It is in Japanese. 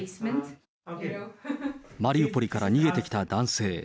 マリウポリから逃げてきた男性。